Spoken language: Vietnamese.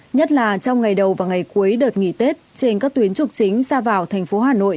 nhất là trong ngày đầu và ngày cuối đợt nghỉ tết trên các tuyến trục chính ra vào thành phố hà nội